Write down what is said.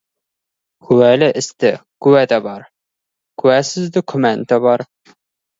Куәлі істі куә табар, куәсізді күмән табар.